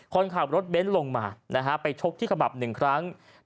คนขับรถเบ้นลงมาไปชกที่ขมับ๑ครั้ง